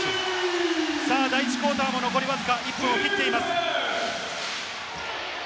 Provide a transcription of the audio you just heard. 第１クオーターも残りわずか、１分を切っています。